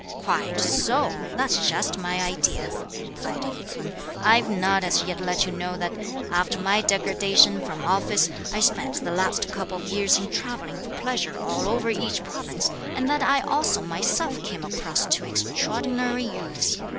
"Quite so; that's just my idea!" replied Yü ts'un; "I've not as yet let you know that after my degradation from office, I spent the last couple of years in travelling for pleasure all over each province, and that I also myself came across two extraordinary youths.